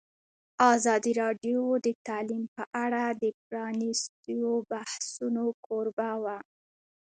ازادي راډیو د تعلیم په اړه د پرانیستو بحثونو کوربه وه.